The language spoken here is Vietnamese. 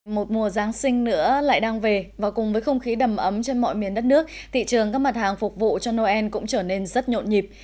một mùa giáng sinh nữa lại đang về và cùng với không khí đầm ấm trên mọi miền đất nước thị trường các mặt hàng phục vụ cho noel cũng trở nên rất nhộn nhịp